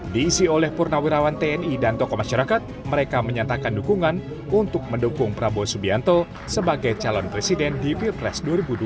diisi oleh purnawirawan tni dan tokoh masyarakat mereka menyatakan dukungan untuk mendukung prabowo subianto sebagai calon presiden di pilpres dua ribu dua puluh